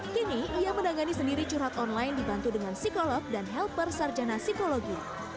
kini ia menangani sendiri curhat online dibantu dengan psikolog dan helper sarjana psikologi